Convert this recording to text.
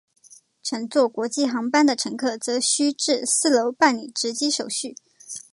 乘坐国际航班的乘客则需至四楼办理值机手续。